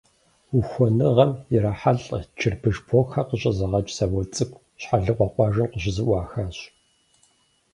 Ухуэныгъэм ирахьэлӏэ чырбыш блокхэр къыщӏэзыгъэкӏ завод цӏыкӏу Щхьэлыкъуэ къуажэм къыщызэӏуахащ.